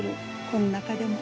この中でも。